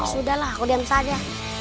sudahlah aku diam saja